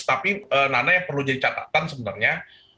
tapi nana yang perlu dicatatan sebenarnya